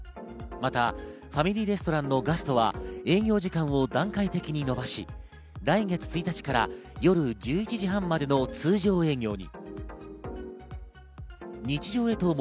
またファミリーレストランのガストは営業時間を段階的に延ばし、来月１日から夜１１時半までの通常営業に。